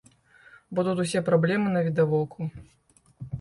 Бо тут усе праблемы навідавоку.